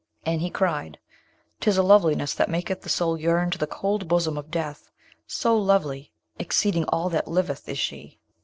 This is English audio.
And he cried, ''Tis a loveliness that maketh the soul yearn to the cold bosom of death, so lovely, exceeding all that liveth, is she!'